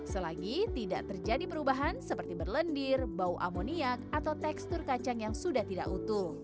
selagi tidak terjadi perubahan seperti berlendir bau amoniak atau tekstur kacang yang sudah tidak utuh